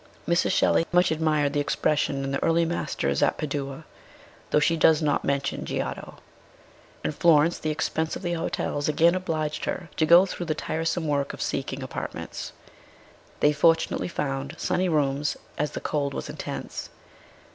Mrs. Shelley much admired the expression in the early masters at Padua, though she does not mention Giotto. In Florence, the expense of the hotels again obliged her to go through the tiresome work of seek ing apartments. They fortunately found sunny rooms, as the cold was intense.